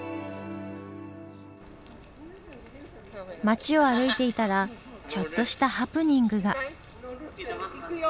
街を歩いていたらちょっとしたハプニングが。